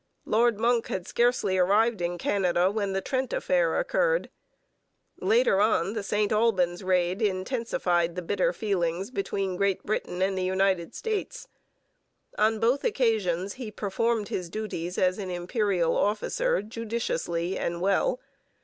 Lord Monck had scarcely arrived in Canada when the Trent Affair occurred. Later on the St Albans Raid intensified the bitter feelings between Great Britain and the United States. On both occasions he performed his duties as an Imperial officer judiciously and well.